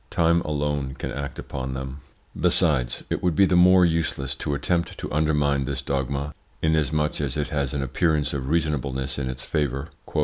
Time alone can act upon them. Besides, it would be the more useless to attempt to undermine this dogma, inasmuch as it has an appearance of reasonableness in its favour.